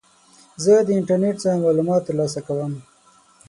زه د انټرنیټ څخه معلومات ترلاسه کوم.